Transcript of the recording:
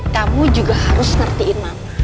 kamu juga harus ngertiin mama